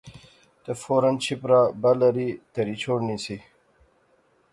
تہ فورا چھپرا بل ری تہری شوڑنی سی